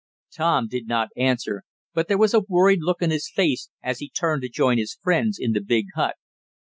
Tom did not answer, but there was a worried look on his face, as he turned to join his friends in the big hut.